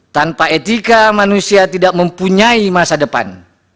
tanpa etika manusia tidak mempunyai masa depan